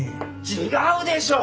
違うでしょ！